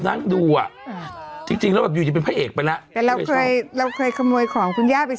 ไอ้ผู้ชายใช่ไหม